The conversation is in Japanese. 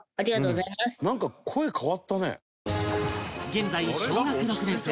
現在小学６年生